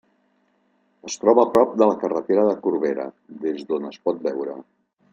Es troba prop de la carretera a Corbera, des d'on es pot veure.